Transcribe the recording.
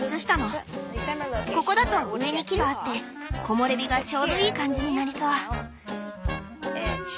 ここだと上に木があって木漏れ日がちょうどいい感じになりそう。